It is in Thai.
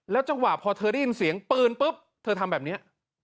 จังหวะพอเธอได้ยินเสียงปืนปุ๊บเธอทำแบบนี้